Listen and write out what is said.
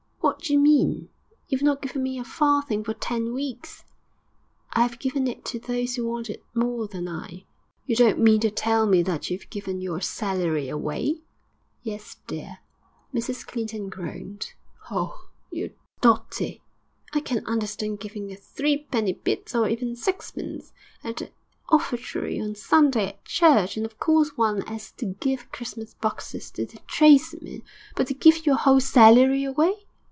'What d'you mean? You've not given me a farthing for ten weeks.' 'I 'ave given it to those who want it more than I.' 'You don't mean to tell me that you've given your salary away?' 'Yes, dear.' Mrs Clinton groaned. 'Oh, you're dotty!... I can understand giving a threepenny bit, or even sixpence, at the offertory on Sunday at church, and of course one 'as to give Christmas boxes to the tradesmen; but to give your whole salary away!